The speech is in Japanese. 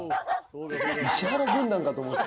石原軍団かと思った。